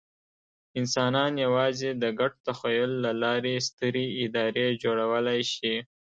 انسانان یواځې د ګډ تخیل له لارې سترې ادارې جوړولی شي.